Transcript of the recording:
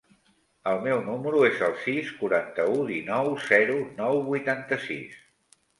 El meu número es el sis, quaranta-u, dinou, zero, nou, vuitanta-sis.